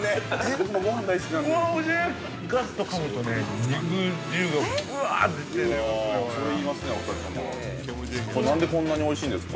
◆僕も、ごはん大好きなんですよ。